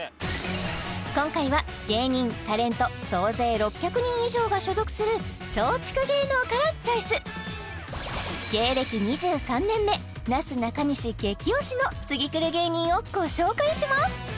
今回は芸人タレント総勢６００人以上が所属する松竹芸能からチョイス芸歴２３年目なすなかにし激推しの次くる芸人をご紹介します